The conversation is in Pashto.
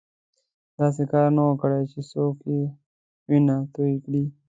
داسې کار نه وو کړی چې څوک یې وینه توی کړي.